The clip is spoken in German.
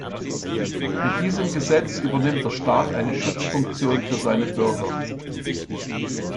Mit diesem Gesetz übernimmt der Staat eine Schutzfunktion für seine Bürger.